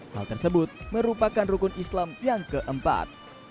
hal tersebut merupakan rukun islam yang keempat